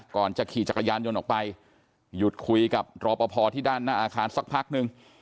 ก่อนจะขี่จักรยานยนต์ออกไปหยุดคุยกับรอปภที่ด้านหน้าอาคารสักพักนึง